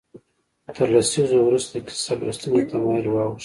تر لسیزو وروسته د کیسه لوستنې تمایل واوښت.